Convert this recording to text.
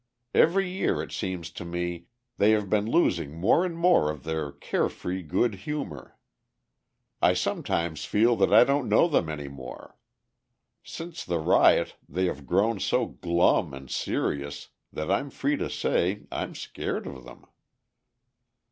Every year, it seems to me, they have been losing more and more of their care free good humour. I sometimes feel that I don't know them any more. Since the riot they have grown so glum and serious that I'm free to say I'm scared of them!"